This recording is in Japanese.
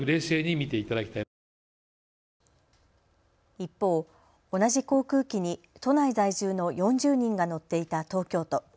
一方、同じ航空機に都内在住の４０人が乗っていた東京都。